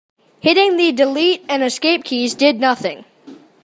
Hitting the delete and escape keys did nothing.